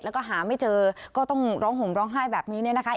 แล้วก็หาไม่เจอก็ต้องร้องห่มร้องไห้แบบนี้เนี่ยนะคะ